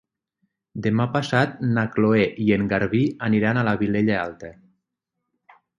Demà passat na Cloè i en Garbí aniran a la Vilella Alta.